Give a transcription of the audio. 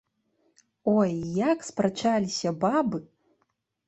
Ой, як спрачаліся бабы.